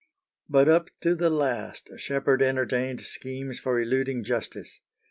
But up to the last Sheppard entertained schemes for eluding justice.